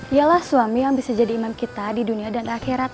ialah suami yang bisa jadi imam kita di dunia dan akhirat